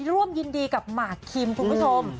ร่วมยินดีกับหมากคิมคุณผู้ชม